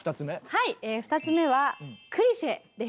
はい２つ目は「クリシェ」です。